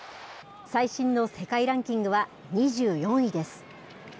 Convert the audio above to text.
最新の世界ランキングは２４位です。